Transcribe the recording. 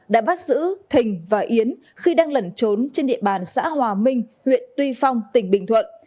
đã bắt giữ thình và yến khi đang lẩn trốn trên địa bàn xã hòa minh huyện tuy phong tỉnh bình thuận